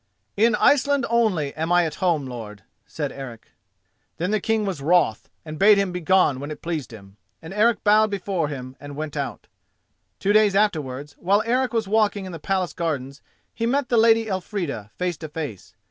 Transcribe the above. "In Iceland only I am at home, lord," said Eric. Then the King was wroth, and bade him begone when it pleased him, and Eric bowed before him and went out. Two days afterwards, while Eric was walking in the Palace gardens he met the Lady Elfrida face to face.